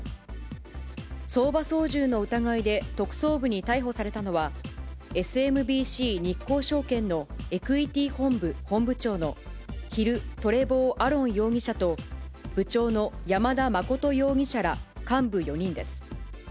相場操縦の疑いで特捜部に逮捕されたのは、ＳＭＢＣ日興証券のエクイティ本部本部長のヒル・トレボー・アロン容疑者と、部長の山田誠容疑者ら幹部４人です。